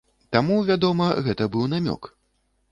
Таму, вядома, гэта быў намёк.